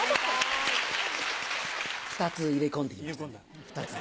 ２つ入れ込んで来ましたね。